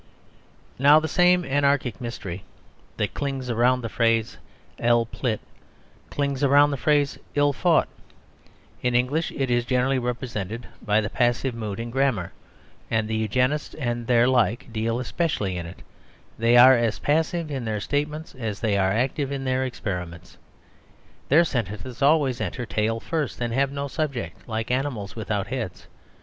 Now the same anarchic mystery that clings round the phrase, "il pleut," clings round the phrase, "il faut." In English it is generally represented by the passive mood in grammar, and the Eugenists and their like deal especially in it; they are as passive in their statements as they are active in their experiments. Their sentences always enter tail first, and have no subject, like animals without heads.